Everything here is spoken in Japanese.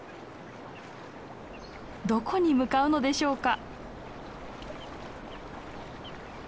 どこに向かうのでしょうか。